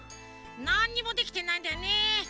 なんにもできてないんだよねフフフ。